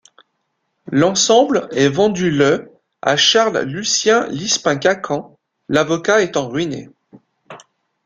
L'ensemble est vendu le à Charles-Lucien Lipsin-Caccant, l'avocat étant ruiné.